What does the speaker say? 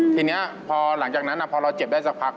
ทีนี้พอหลังจากนั้นพอเราเจ็บได้สักพัก